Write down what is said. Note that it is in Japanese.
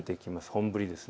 本降りです。